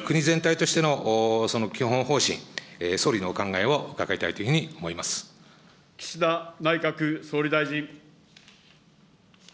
国全体としてのその基本方針、総理のお考えを伺いたいというふう岸田内閣総理大臣。